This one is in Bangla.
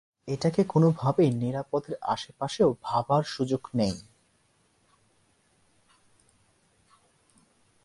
অ্যারন, এটাকে কোনোভাবেই নিরাপদের আশেপাশেও ভাবার সুযোগ নেই।